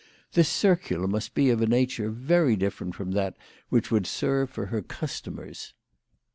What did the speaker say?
This circular must be of a nature very different from that which would serve for her customers.